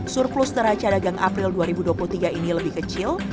surplus neraca dagang april dua ribu dua puluh tiga ini lebih kecil